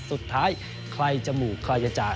สุดท้ายใครจะหมู่ใครจะจ่า